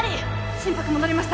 心拍戻りました